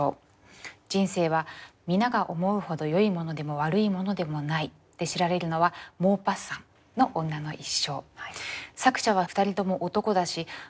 “人生は皆が思うほど良いものでも悪いものでもない”で知られるのはモーパッサンの『女の一生』」。